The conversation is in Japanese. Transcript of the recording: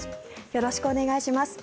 よろしくお願いします。